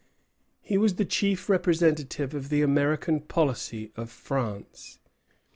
He was the chief representative of the American policy of France.